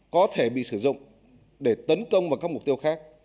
có thể bị sử dụng để tấn công vào các mục tiêu khác